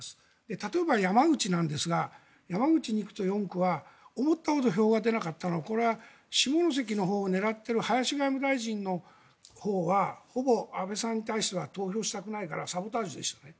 例えば山口なんですが山口２区と４区は思ったほど票が出なかったのはこれは下関のほうを狙っている林外務大臣のほうはほぼ安倍さんに対しては投票したくないからサボタージュでしたね。